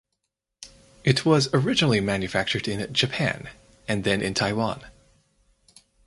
It was originally manufactured in Japan and then in Taiwan.